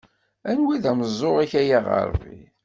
Anwa i d ameẓẓuɣ-ik ay aɣerbi.